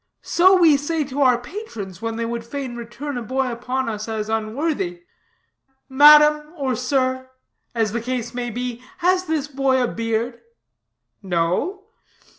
So we say to our patrons when they would fain return a boy upon us as unworthy: 'Madam, or sir, (as the case may be) has this boy a beard?' 'No.'